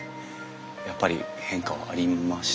やっぱり変化はありましたか？